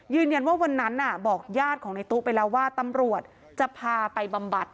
ยืนยันว่าวันนั้นบอกญาติของในตู้ไปแล้วว่าตำรวจจะพาไปบำบัด